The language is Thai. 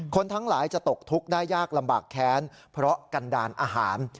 ทั้งหลายจะตกทุกข์ได้ยากลำบากแค้นเพราะกันดาลอาหาร